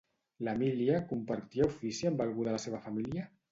L'Emília compartia ofici amb algú de la seva família?